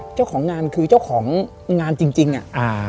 เจ้าของงานคือเจ้าของงานจริงอะ